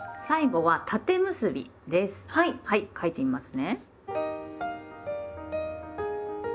はい書いてみますね。